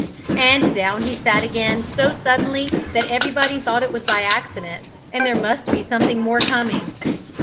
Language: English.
And down he sat again so suddenly that everybody thought it was by accident, and there must be something more coming.